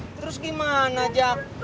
terus gimana jack